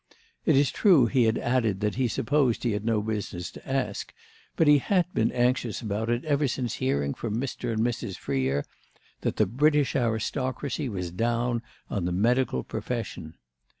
It is true he had added that he supposed he had no business to ask; but he had been anxious about it ever since hearing from Mr. and Mrs. Freer that the British aristocracy was down on the medical profession.